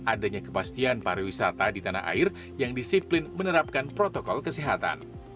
adanya kepastian pariwisata di tanah air yang disiplin menerapkan protokol kesehatan